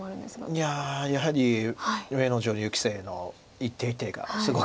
いややはり上野女流棋聖の一手一手がすごく。